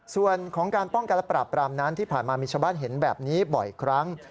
ส่วนของการป้องกันและปราบปรามนั้นที่ผ่านมามีชาวบ้านเห็นแบบนี้บ่อยครั้ง